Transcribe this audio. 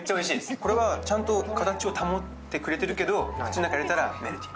これはちゃんと形を保ってくれてるけど、口の中に入れたらメルティン。